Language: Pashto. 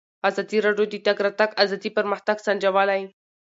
ازادي راډیو د د تګ راتګ ازادي پرمختګ سنجولی.